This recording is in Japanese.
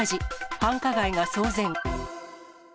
繁華街が騒然。